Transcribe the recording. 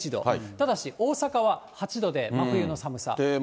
ただし大阪は８度で、真冬の寒さ。